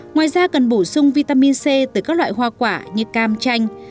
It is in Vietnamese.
ngoài ra cần bổ sung vitamin c từ các loại hoa quả như cam chanh